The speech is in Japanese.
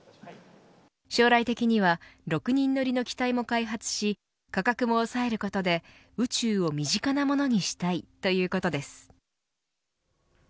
将来的には６人乗りの機体も開発し価格も抑えることで宇宙を身近なものにしたいということです。